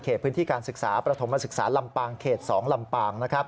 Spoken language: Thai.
เขตพื้นที่การศึกษาประถมศึกษาลำปางเคส๒ลำปางนะครับ